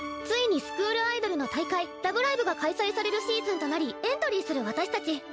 ついにスクールアイドルの大会「ラブライブ！」が開催されるシーズンとなりエントリーする私たち。